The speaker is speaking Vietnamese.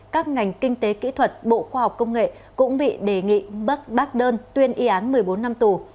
các ngành kinh tế kỹ thuật bộ khoa học công nghệ cũng bị đề nghị bác đơn tuyên y án một mươi bốn năm tù